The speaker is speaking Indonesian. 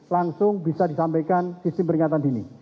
langsung bisa disampaikan sistem peringatan dini